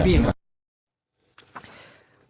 ครับ